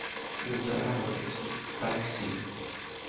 Uṭreɣ-d seg uṭaksi.